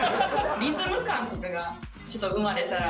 リズム感とかがちょっと生まれたら。